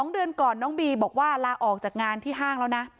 ๒เดือนก่อนน้องบีบอกว่าลาออกจากงานที่ห้างแล้วนะ